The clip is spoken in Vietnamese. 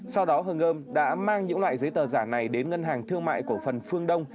sau đó hương âm đã mang những loại giấy tờ giả này đến ngân hàng thương mại của phần phương đông